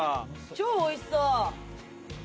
超おいしそう。